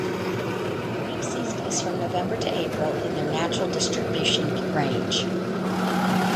Breeding season is from November to April in their natural distribution range.